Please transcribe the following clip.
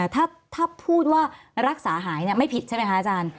ถ้าพูดว่ารักษาหายไม่ผิดใช่ไหมคะอาจารย์